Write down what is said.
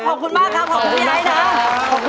ขอบคุณมากครับ